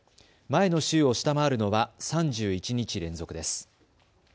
前の週を下回るのは３１日連続です。